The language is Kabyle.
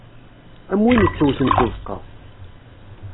Am win ittewten s ubeqqa.